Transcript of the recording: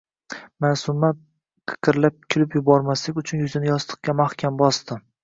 Maʼsuma qiqirlab kulib yubormaslik uchun yuzini yostiqqa mahkam bosdi.